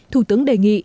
thủ tướng đề nghị